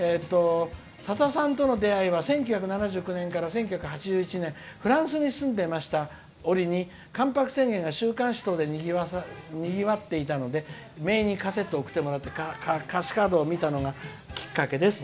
さださんとの出会いは１９７９年から１９８１年フランスに住んでましたおりに「関白宣言」がにぎわっていたのでめいにカセットを送ってもらって歌詞カードを見たのがきっかけです」。